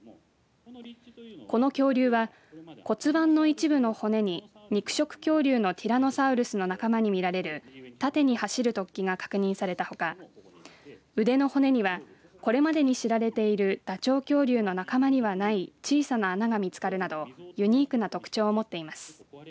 この恐竜は骨盤の一部の骨に肉食恐竜のティラノサウルスの仲間に見られる縦に走る突起が確認されたほか腕の骨にはこれまでに知られているダチョウ恐竜の仲間にはない小さな穴が見つかるなどユニークな特徴を持っています。